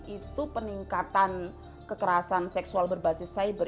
itu peningkatan kekerasan seksual berbasis cyber